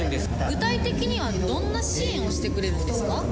具体的には、どんな支援をしてくれるんですか？